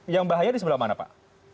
yang bahaya di sebelah mana pak